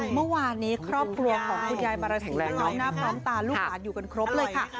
เมื่อวานนี้ครอบครัวของคุณยายปรสินพร้อมหน้าพร้อมตาลูกหลานอยู่กันครบเลยค่ะ